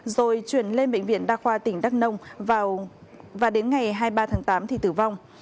rồi chuyển lên bệnh viện đa khoa tỉnh đắk nông và đến ngày hai mươi ba tháng tám thì tử vong